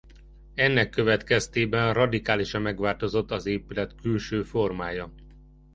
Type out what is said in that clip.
Ennek következtében radikálisan megváltozott az épület külső formája.